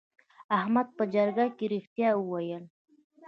احمد په جرګه کې رښتیا وویل.